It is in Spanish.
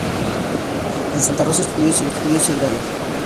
En Santa Rosa estudió y se graduó de bachiller.